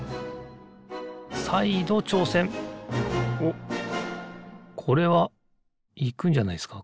おっこれはいくんじゃないですか